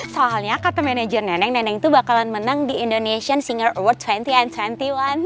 soalnya kata manajer nenek nenek itu bakalan menang di indonesian singer award dua puluh and dua puluh satu